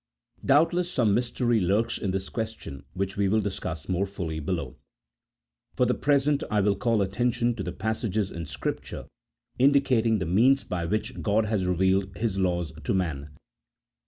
Doubtless some mystery lurks in this question which we will discuss more fully below. For the present I will call attention to the passages in Scripture indicating the means by which God has revealed His laws to man.